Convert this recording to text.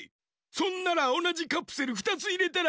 そんならおなじカプセル２ついれたらいいじゃろ！